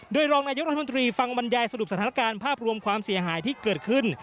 โดยรองนายกรัฐมนตรีฟังบรรยายสรุปสถานการณ์ภาพรวมความเสียหายที่เกิดขึ้น